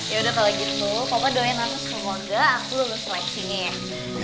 yaudah kalau gitu papa doain langsung semoga aku lulus nangisinya ya